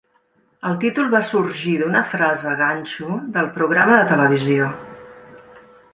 El títol va sorgir d'una frase ganxo del programa de televisió.